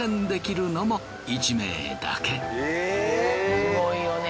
すごいよね